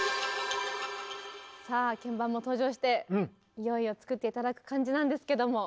さあ鍵盤も登場していよいよ作って頂く感じなんですけども。